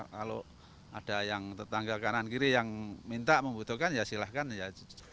kalau ada yang tetangga kanan kiri yang minta membutuhkan ya silahkan ya